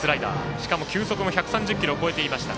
しかも球速も１３０キロを超えていました。